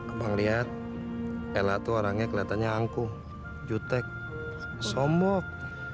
abang liat ella tuh orangnya keliatannya angkuh jutek sombong